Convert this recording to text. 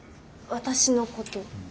私のこと？